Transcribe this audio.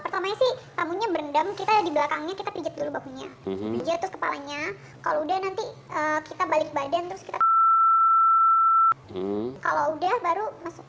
kalau udah baru